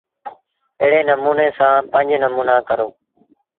ايڙي نموٚني سآݩ پنج نموݩآ ڪرو۔